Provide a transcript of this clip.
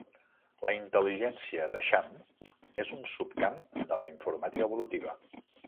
La intel·ligència d'eixam és un subcamp de la informàtica evolutiva.